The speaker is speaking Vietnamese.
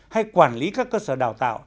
và quản lý các cơ sở đào tạo